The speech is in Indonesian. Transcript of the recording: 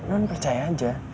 non percaya aja